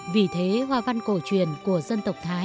vì thế hoa văn cổ truyền của dân tộc thái